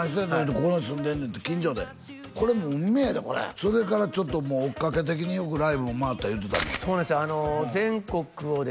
ここに住んでんねんって近所でこれも運命やでこれそれからちょっと追っかけ的によくライブも回った言うてたもんそうなんですよ全国をですね